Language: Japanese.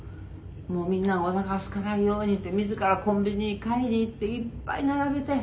「みんながおなかがすかないようにって自らコンビニに買いに行っていっぱい並べて」